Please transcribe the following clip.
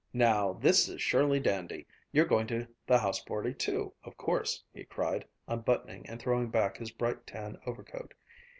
"Now, this is surely dandy! You're going to the house party too, of course!" he cried, unbuttoning and throwing back his bright tan overcoat.